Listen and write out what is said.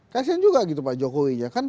kasian juga gitu pak jokowi